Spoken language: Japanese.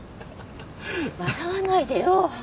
笑わないでよ！